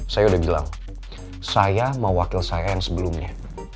saya udah bilang saya mau wakil saya yang sebelumnya